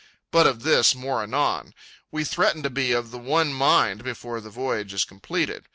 But of this, more anon. We threaten to be of the one mind before the voyage is completed.